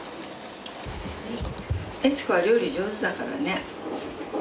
えつ子は料理上手だからね。